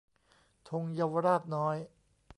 ธงเยาวราชน้อย